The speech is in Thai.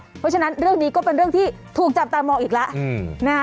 เพราะฉะนั้นเรื่องนี้ก็เป็นเรื่องที่ถูกจับตามองอีกแล้ว